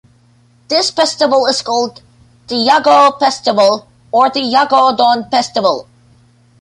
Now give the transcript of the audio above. This festival is called the Yagorou Festival or the Yagorodon Festival.